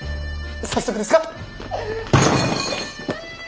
早速ですが。